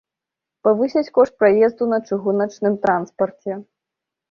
Павысяць кошт праезду на чыгуначным транспарце.